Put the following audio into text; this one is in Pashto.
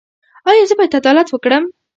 ایا زه باید عدالت وکړم؟